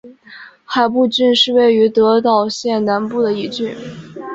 海部郡是位于德岛县南部的一郡。